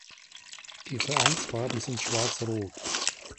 Die Vereinsfarben sind Schwarz-Rot.